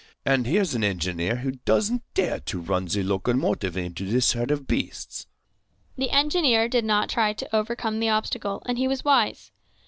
And here's an engineer who doesn't dare to run the locomotive into this herd of beasts!" The engineer did not try to overcome the obstacle, and he was wise.